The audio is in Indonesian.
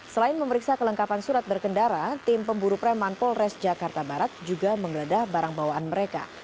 selain memeriksa kelengkapan surat berkendara tim pemburu preman polres jakarta barat juga menggeledah barang bawaan mereka